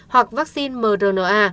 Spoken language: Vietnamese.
hoặc vaccine mrna